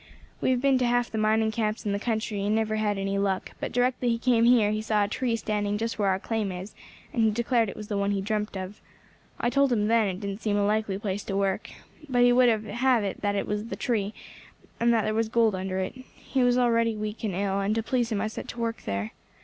We have been to half the mining camps in the country, and never had any luck; but directly he came here he saw a tree standing just where our claim is, and he declared it was the one he dreamt of. I told him then it didn't seem a likely place to work, but he would have it that it was the tree, and that there was gold under it. He was already weak and ill, and to please him I set to work there.